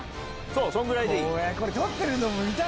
そんぐらいでいい。